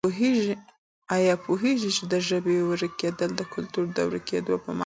آیا پوهېږې چې د ژبې ورکېدل د کلتور د ورکېدو په مانا دي؟